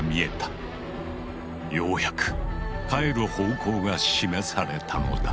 ようやく帰る方向が示されたのだ。